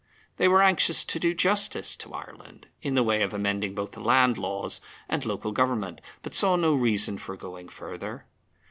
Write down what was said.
They were anxious to do justice to Ireland, in the way of amending both the land laws and local government, but saw no reason for going further.